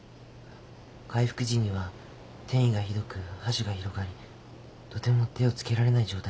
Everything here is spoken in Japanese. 開腹時には転移がひどく播種が広がりとても手を付けられない状態でした。